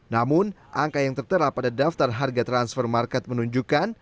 namun angka yang tertera pada daftar harga transfer market menunjukkan